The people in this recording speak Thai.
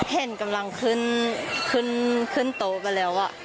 เห็นกำลังขึ้นขึ้นโต๊ะไปแล้ว